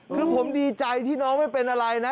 คือผมดีใจที่น้องไม่เป็นอะไรนะ